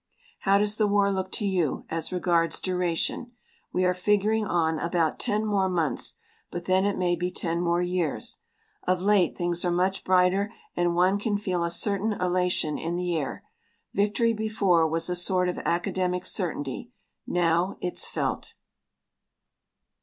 How does the war look to you as regards duration? We are figuring on about ten more months, but then it may be ten more years. Of late things are much brighter and one can feel a certain elation in the air. Victory, before, was a sort of academic certainty; now, it's felt.